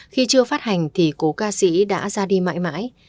khi chưa phát hành thì cố ca sĩ đã ra đi mãi mãi